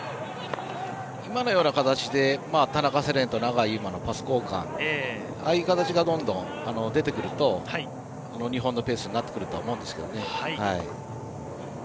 今のような形で田中世蓮とのパス交換、ああいう形がどんどん出てくると日本のペースになってくると思うんですけどね。